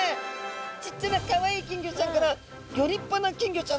ちっちゃなかわいい金魚ちゃんからギョ立派な金魚ちゃんまで。